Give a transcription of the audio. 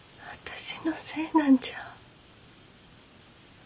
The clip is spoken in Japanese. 私のせいなんじゃ。